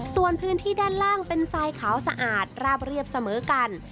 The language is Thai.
ส่วนพื้นที่ด้านล่างเป็นทรายขาวสะอาดราบเรียบเสมอกัน